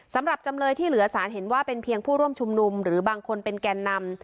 สำหรับจำเลยที่เหลือสารเห็นว่าเป็นเพียงผู้ร่วมชุมนุมหรือบางคนเป็นแก่นำ